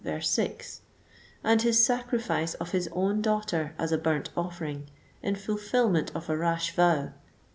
6,) and his sacrifice of his own daughter as a burnt ofiTering, in fulfilment of a rash vow ; (xi.